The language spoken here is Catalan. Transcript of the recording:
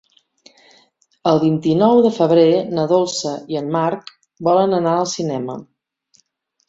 El vint-i-nou de febrer na Dolça i en Marc volen anar al cinema.